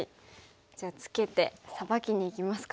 じゃあツケてサバキにいきますか。